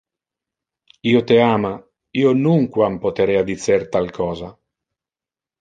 "Io te ama", io nunquam poterea dicer tal cosa.